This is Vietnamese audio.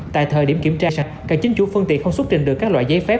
tại thời điểm kiểm tra sạch cả chính chủ phương tiện không xuất trình được các loại giấy phép